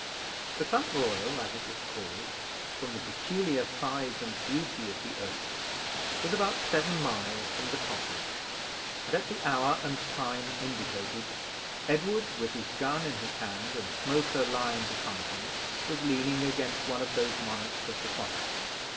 The Clump Royal, as it was called, from the peculiar size and beauty of the oaks, was about seven miles from the cottage; and at the hour and time indicated, Edward, with his gun in his hand, and Smoker lying beside him, was leaning against one of those monarchs of the forest.